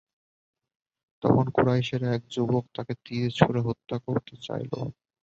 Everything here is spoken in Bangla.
তখন কুরাইশের এক যুবক তাকে তীর ছুঁড়ে হত্যা করতে চাইল।